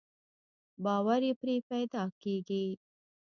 باور يې پرې پيدا کېږي.